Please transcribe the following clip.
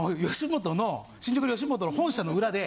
新宿の吉本の本社の裏で。